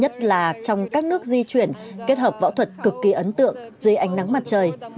trong các nước di chuyển kết hợp võ thuật cực kỳ ấn tượng dưới ánh nắng mặt trời